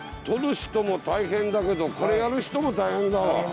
とる人も大変だけどこれやる人も大変だわ。